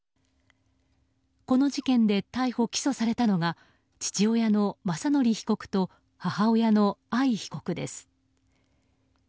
この事件で逮捕・起訴されたのが父親の雅則被告と母親の藍被告です。